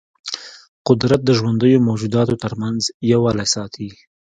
قدرت د ژوندیو موجوداتو ترمنځ یووالی ساتي.